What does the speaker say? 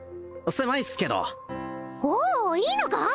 狭いっすけどおおっいいのか？